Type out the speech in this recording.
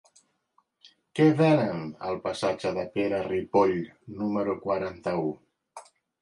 Què venen al passatge de Pere Ripoll número quaranta-u?